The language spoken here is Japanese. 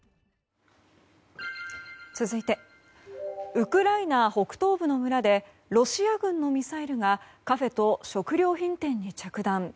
続いてウクライナ北東部の村でロシア軍のミサイルがカフェと食料品店に着弾。